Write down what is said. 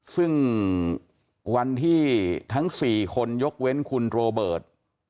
ซึ่งวันที่ทั้ง๔คนยกเว้นคุณโรเบิร์ต